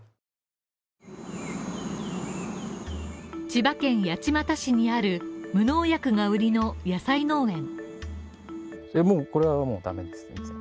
千葉県八街市にある無農薬が売りの野菜農園。